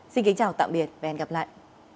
xin kính chào tạm biệt và hẹn gặp lại